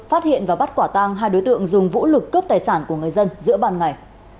phát hiện và bắt quả tang hai đối tượng dùng vũ lực cướp tài sản của người dân giữa ban ngày